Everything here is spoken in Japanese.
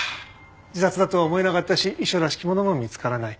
自殺だとは思えなかったし遺書らしきものも見つからない。